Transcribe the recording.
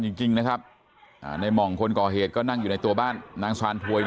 จริงจริงนะครับอ่าในหม่องคนก่อเหตุก็นั่งอยู่ในตัวบ้านนางซานถวย